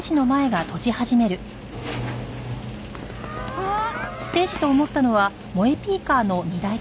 あっ！